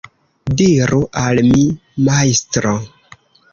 Diru al mi, majstro.